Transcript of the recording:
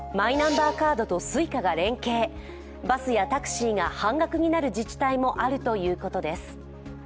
バスやタクシーが半額になる自治体もあるということです。